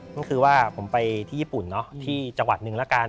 ก็คือว่าผมไปที่ญี่ปุ่นเนาะที่จังหวัดหนึ่งแล้วกัน